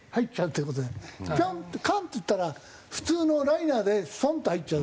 ピョンカンッていったら普通のライナーでストンと入っちゃう。